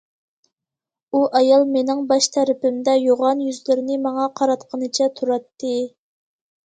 ئۇ ئايال مېنىڭ باش تەرىپىمدە، يوغان يۈزلىرىنى ماڭا قاراتقىنىچە تۇراتتى.